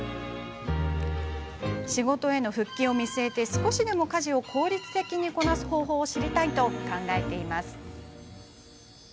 仕事への復帰を見据えて少しでも家事を効率的にこなす方法を知りたいと考えています。